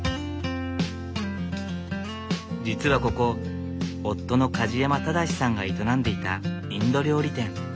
実はここ夫の梶山正さんが営んでいたインド料理店。